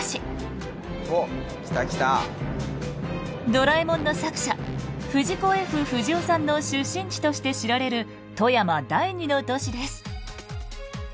「ドラえもん」の作者藤子・Ｆ・不二雄さんの出身地として知られる富山第２の都市です。